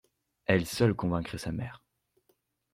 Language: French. Elle seule convaincrait sa mère.